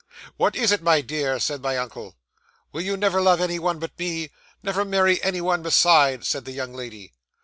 '"What is it, my dear?" said my uncle. '"Will you never love any one but me never marry any one beside?" said the young lady.